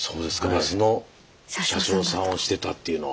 バスの車掌さんをしてたっていうのは。